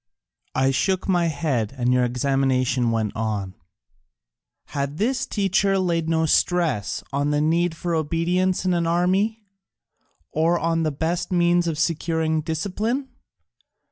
I shook my head and your examination went on: Had this teacher laid no stress on the need for obedience in an army, or on the best means of securing discipline?